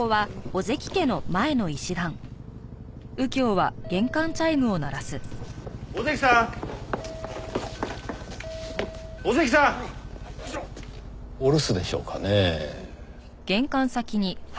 小関さん！お留守でしょうかね？